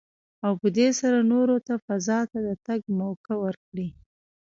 او په دې سره نورو ته فضا ته د تګ موکه ورکړي.